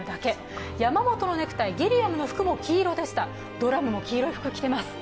ドラムも黄色い服を着てます。